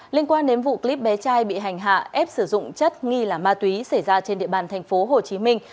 liên quan đến vụ clip bé trai bị hành hạ ép sử dụng chất nghi là ma túy xảy ra trên địa bàn thành phố hồ chí minh